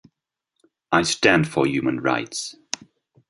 I stand for human rights.